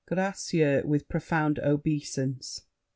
GRACIEUX (with profound obeisance).